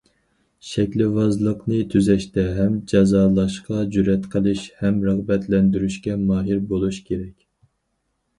شەكىلۋازلىقنى تۈزەشتە ھەم جازالاشقا جۈرئەت قىلىش، ھەم رىغبەتلەندۈرۈشكە ماھىر بولۇش كېرەك.